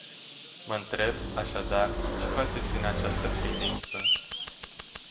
Mă întreb așadar, ce faceți în această privință?